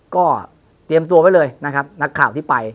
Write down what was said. ก็เตรียมตัวไว้เลยนะครับนักข่าวที่ไป